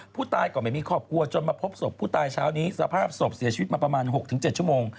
ผู้ตายก็ไม่มีครอบครัวจนมาพบศพผู้ตายเช้านี้สภาพศพเสียชีวิตมาประมาณ๖๗ชั่วโมง